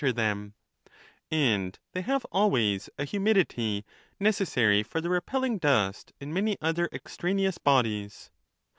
311 them; and they have always a humidity necessary for the repelling dust and many other extraneous bodies.